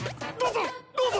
どうぞ！